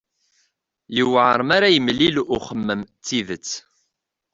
Yuɛer mi ara yemlil uxemmem d tidet.